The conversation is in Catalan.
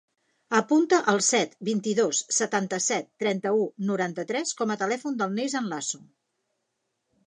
Apunta el set, vint-i-dos, setanta-set, trenta-u, noranta-tres com a telèfon del Neizan Laso.